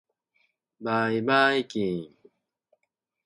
ばいばいきーーーん。